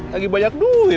lagi banyak duit